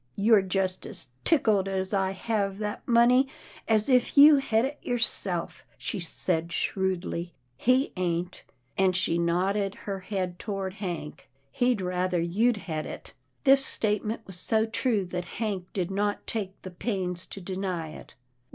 " You're just as tickled I hev that money, as if you hed it yourself," she said shrewdly, he ain't," and she nodded her head toward Hank. " He'd ruther you'd hed it." This statement was so true that Hank did not take the pains to deny it.